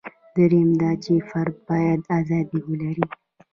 درېیم دا چې فرد باید ازادي ولري.